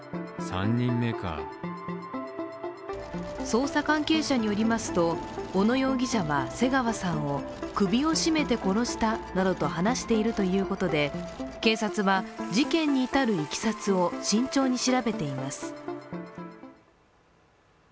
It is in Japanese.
捜査関係者によりますと、小野容疑者は瀬川さんを首を絞めて殺したなどと話しているということで警察は、事件に至るいきさつを慎重に調べています。